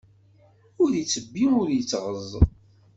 Ur ittebbi ur ittɣeẓẓ.